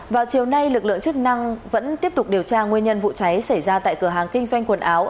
vào chiều nay lực lượng chức năng vẫn tiếp tục điều tra nguyên nhân vụ cháy xảy ra tại cửa hàng kinh doanh quần áo